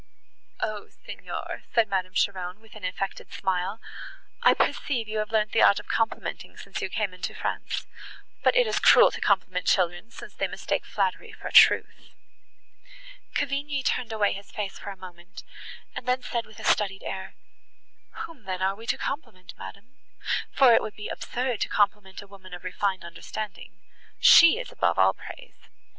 "O Signor!" said Madame Cheron, with an affected smile, "I perceive you have learnt the art of complimenting, since you came into France. But it is cruel to compliment children, since they mistake flattery for truth." Cavigni turned away his face for a moment, and then said with a studied air, "Whom then are we to compliment, madam? for it would be absurd to compliment a woman of refined understanding; she is above all praise."